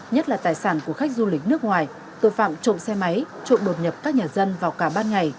nhất là tài sản của khách du lịch nước ngoài tội phạm trộm xe máy trộn đột nhập các nhà dân vào cả ban ngày